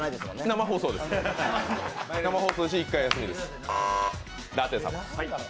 生放送ですし１回休みです。